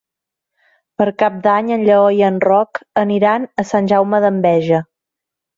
Per Cap d'Any en Lleó i en Roc aniran a Sant Jaume d'Enveja.